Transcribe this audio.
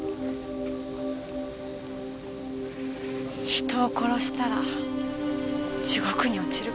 人を殺したら地獄に落ちるかしら。